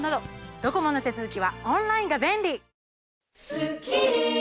ドコモの手続きはオンラインが便利！